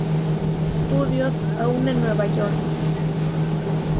Studios, aún en Nueva York.